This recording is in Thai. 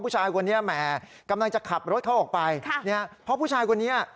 ผู้ชายคนนี้แหมกำลังจะขับรถเข้าออกไปเพราะผู้ชายคนนี้